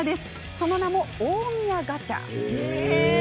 その名も、大宮ガチャ。